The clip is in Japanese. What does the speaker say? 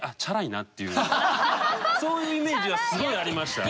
そういうイメージはすごいありました。